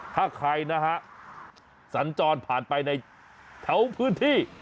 ถ้าใครนะฮะสัญจรผ่านไปในแถวพื้นที่